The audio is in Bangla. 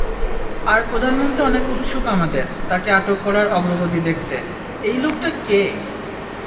আর প্রধানমন্ত্রী অনেক উৎসুক আমাদের-- তাকে আটক করার অগ্রগতি দেখতে-- এই লোকটা কে?